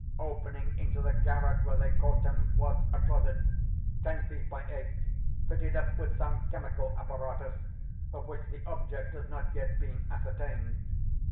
Opening into the garret where they caught him, was a closet, ten feet by eight, fitted up with some chemical apparatus, of which the object has not yet been ascertained.